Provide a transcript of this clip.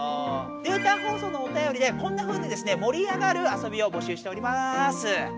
データ放送のおたよりでこんなふうにですねもり上がるあそびを募集しております。